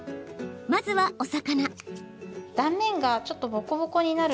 まずは、お魚。